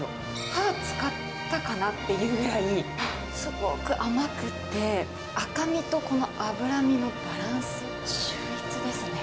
歯、使ったかなっていうぐらい、すごく甘くて、赤身と、この脂身のバランス、秀逸ですね。